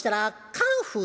「カンフー」。